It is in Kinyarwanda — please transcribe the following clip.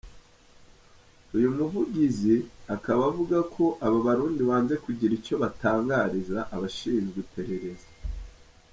Uyu muvugizi akaba avuga ko aba Barundi banze kugira icyo batangariza abashinzwe iperereza.